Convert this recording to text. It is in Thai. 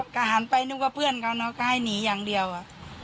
ก็หันไปนึกว่าเพื่อนเขาเนอะก็ให้หนีอย่างเดียว